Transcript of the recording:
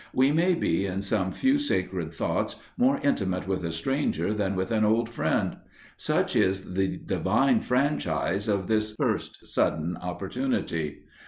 We may be in some few sacred thoughts more intimate with a stranger than with an old friend. Such is the divine franchise of this first sudden opportunity.